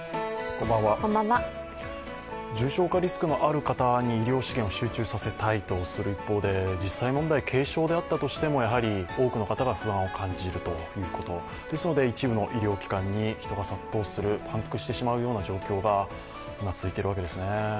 重症化リスクのある方に資料資源を集中させたいとする一方で実際問題、軽症であったとしても、やはり多くの方が不安を感じるということ、ですので一部の医療機関に人が殺到する、パンクしてしまうような状況が今、続いているわけですね。